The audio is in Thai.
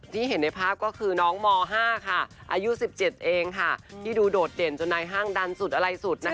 เห็นในภาพก็คือน้องม๕ค่ะอายุ๑๗เองค่ะที่ดูโดดเด่นจนนายห้างดันสุดอะไรสุดนะคะ